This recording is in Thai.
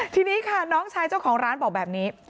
ทีนี้ค่ะน้องชายเจ้าของร้านบอกแบบนี้